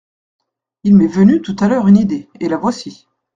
Il m'est venu tout à l'heure une idée, et la voici.